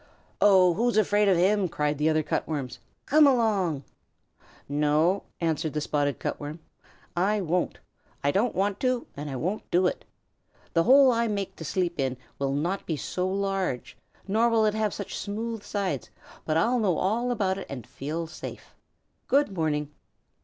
"Oh, who's afraid of him?" cried the other Cut Worms. "Come along!" "No," answered the Spotted Cut Worm. "I won't. I don't want to and I won't do it. The hole I make to sleep in will not be so large, nor will it have such smooth sides, but I'll know all about it and feel safe. Good morning."